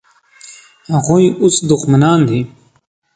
هغوی اوس دښمنان دي.